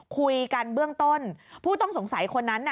คุยกันเบื้องต้นผู้ต้องสงสัยคนนั้นน่ะ